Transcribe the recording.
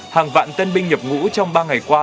hàng vạn tân binh nhập ngũ trong ba ngày qua